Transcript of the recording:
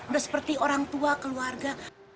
udah seperti orang tua keluarga